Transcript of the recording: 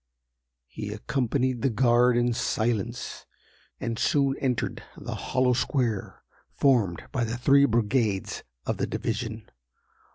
He accompanied the guard in silence, and soon entered the hollow square formed by the three brigades of the division.